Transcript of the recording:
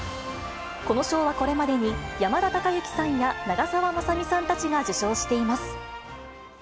この賞はこれまでに、山田孝之さんや長澤まさみさんたちが受賞しています。